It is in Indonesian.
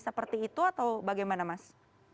seperti itu atau bagaimana mas